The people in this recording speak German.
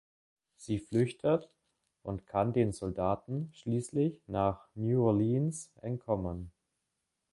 Sie flüchtet und kann den Soldaten schließlich nach New Orleans entkommen.